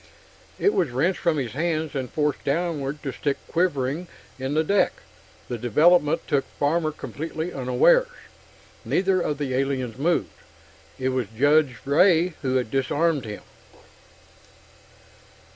It was wrenched from his hands and forced downward to stick quivering in the deck. The development took Farmer completely unawares. Neither of the aliens had moved; it was Judge Ray who had disarmed him.